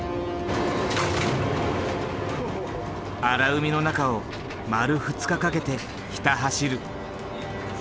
荒海の中を丸２日かけてひた走る。